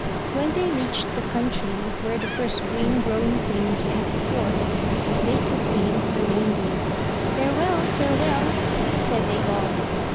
When they reached the country where the first green grow ing things peeped forth, they took leave of the Reindeer. "Fare well! farewell!" said they all.